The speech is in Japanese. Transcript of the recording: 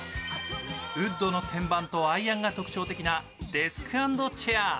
ウッドの天板とアイアンが特徴的なデスク＆チェア。